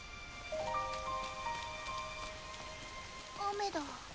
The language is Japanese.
雨だ。